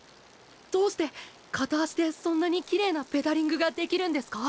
どうして片足でそんなにきれいなペダリングができるんですか？